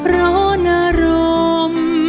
ร้อนอรม